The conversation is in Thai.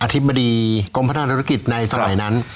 ธิบดีกรมพัฒนาธุรกิจในสมัยนั้น